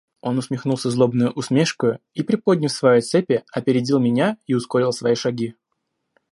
Он усмехнулся злобной усмешкою и, приподняв свои цепи, опередил меня и ускорил свои шаги.